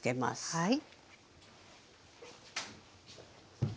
はい。